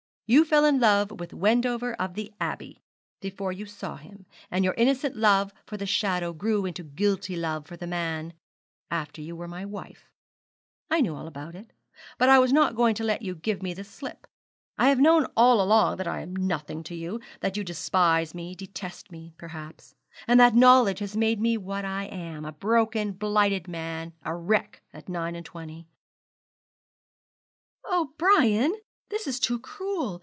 You fell in love with Wendover of the Abbey, before you saw him; and your innocent love for the shadow grew into guilty love for the man, after you were my wife. I knew all about it; but I was not going to let you give me the slip. I have known all along that I am nothing to you, that you despise me, detest me, perhaps; and that knowledge has made me what I am a broken, blighted man, a wreck, at nine and twenty.' 'Oh, Brian, this is too cruel!